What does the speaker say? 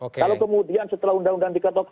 kalau kemudian setelah undang undang diketok